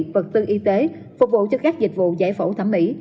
vật tư y tế phục vụ cho các dịch vụ giải phẫu thẩm mỹ